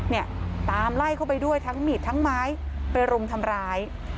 เนี่ยตามไล่เข้าไปด้วยทั้งมีดทั้งไม้ไปรุมทำร้าย